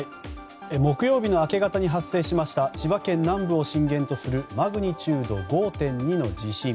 木曜日の明け方に発生しました千葉県南部を震源とするマグニチュード５．２の地震。